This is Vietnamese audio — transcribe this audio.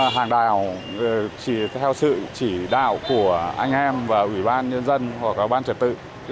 hàng đào chỉ theo sự chỉ đạo của anh em và ủy ban nhân dân hoặc là ban trật tự